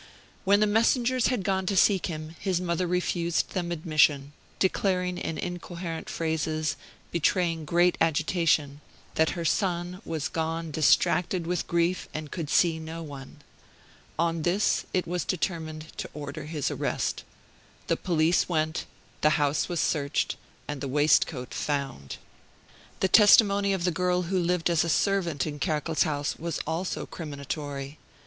When the messengers had gone to seek him, his mother refused them admission, declaring in incoherent phrases, betraying great agitation, that her son was gone distracted with grief and could see no one. On this it was determined to order his arrest. The police went, the house was searched, and the waistcoat found. The testimony of the girl who lived as servant in Kerkel's house was also criminatory.